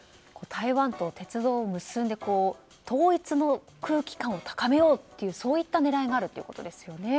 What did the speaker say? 台湾と鉄道を結んで統一の空気感を高めようという狙いがあるということですよね。